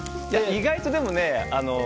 意外と、でもね